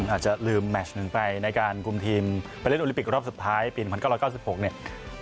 อาจจะลืมแมชหนึ่งไปในการคุมทีมไปเล่นโอลิปิกรอบสุดท้ายปี๑๙๙๖เนี่ย